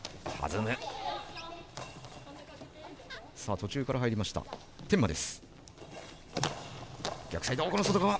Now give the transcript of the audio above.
途中から入りました、天摩です。